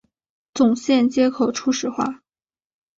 总线接口初始化